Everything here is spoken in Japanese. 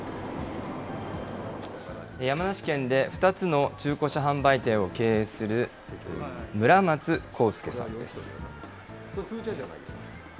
山梨県で２つの中古車販売店を経営する、村松功州喬さんです。